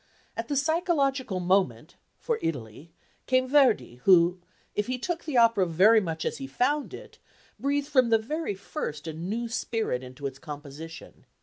At the psychological moment for Italy came Verdi, who, if he took the opera very much as he found it, breathed from the very first a new spirit into its composition.